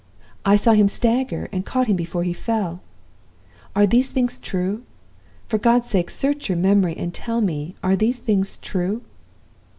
I saw him stagger, and caught him before he fell. Are these things true? For God's sake, search your memory, and tell me are these things true?